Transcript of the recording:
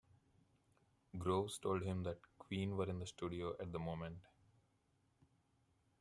Groves told him that Queen were in the studio at the moment.